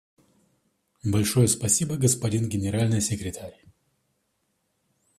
Большое спасибо, господин Генеральный секретарь.